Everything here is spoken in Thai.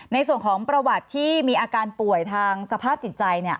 ในส่วนของประวัติที่มีอาการป่วยทางสภาพจิตใจ